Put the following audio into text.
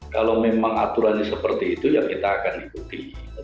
kalau memang aturannya seperti itu ya kita akan ikuti